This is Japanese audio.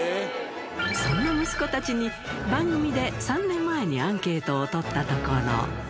そんな息子たちに、番組で３年前にアンケートを取ったところ。